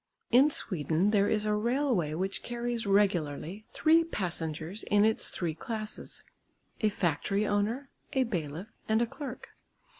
In Sweden there is a railway which carries regularly three passengers in its three classes, a factory owner, a bailiff and a clerk.